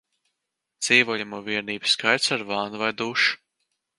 Dzīvojamo vienību skaits ar vannu vai dušu